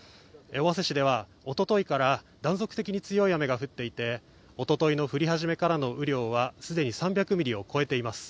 尾鷲市ではおとといから断続的に強い雨が降っていておとといの降り始めからの雨量は、既に３００ミリを超えています。